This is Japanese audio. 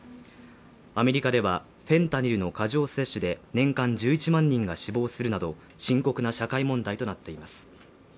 アメリカではフェンタニルの過剰摂取で年間１１万人が死亡するなど、深刻な社会問題となっています。